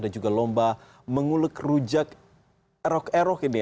juga lomba menguluk rujak erok erok ini